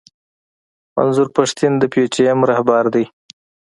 منظور پښتين د پي ټي ايم راهبر دی.